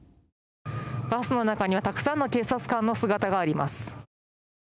バスの中にはたくさんの警察官の姿があります。